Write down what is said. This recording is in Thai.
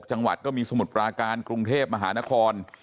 จังหวัดก็มีสมุทรปราการกรุงเทพมหานคร